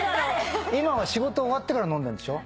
今は仕事終わってから飲んでんでしょ？